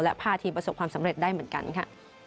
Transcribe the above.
และพาทีมประสบความสำเร็จได้เหมือนกันค่ะ